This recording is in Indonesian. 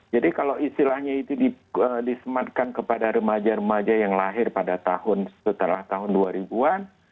jadi kalau istilahnya itu disematkan kepada remaja remaja yang lahir pada tahun setelah tahun dua ribu an